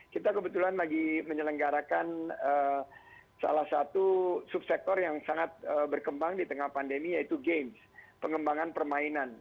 kita kebetulan lagi menyelenggarakan salah satu subsektor yang sangat berkembang di tengah pandemi yaitu games pengembangan permainan